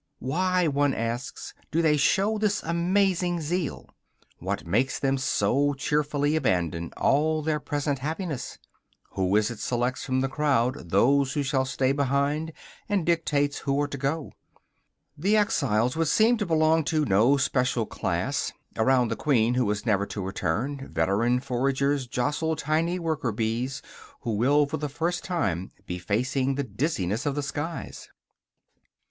Why, one asks, do they show this amazing zeal; what makes them so cheerfully abandon all their present happiness? Who is it selects from the crowd those who shall stay behind, and dictates who are to go? The exiles would seem to belong to no special class; around the queen who is never to return, veteran foragers jostle tiny worker bees who will for the first time be facing the dizziness of the skies.